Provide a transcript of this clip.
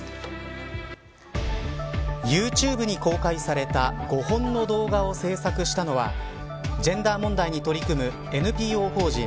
ＹｏｕＴｕｂｅに公開された５本の動画を制作したのはジェンダー問題に取り組むＮＰＯ法人